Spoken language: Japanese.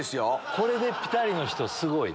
これでピタリの人すごいね。